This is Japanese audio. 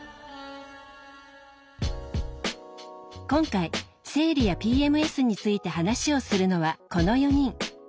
今回生理やＰＭＳについて話をするのはこの４人。